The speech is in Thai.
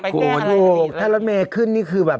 โอ้โหถูกถ้ารถเมย์ขึ้นนี่คือแบบ